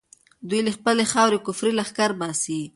دوی له خپلې خاورې کفري لښکر باسي.